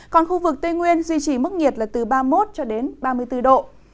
còn khu vực tây nguyên duy trì mức nhiệt là từ ba mươi một cho đến ba mươi bốn độ